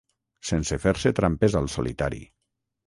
Sense fer-se trampes al solitari.